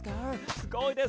すごいですね！